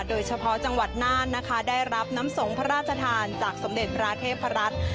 โดยเฉพาะจังหวัดน่านนะคะได้รับน้ำสงฆ์พระราชทานจากสมเด็จพระเทพรัตน์